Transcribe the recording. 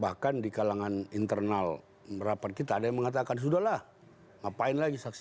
bahkan di kalangan internal rapat kita ada yang mengatakan sudah lah ngapain lagi saksi